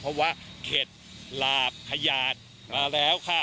เพราะว่าเข็ดหลาบขยาดมาแล้วค่ะ